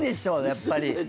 やっぱり。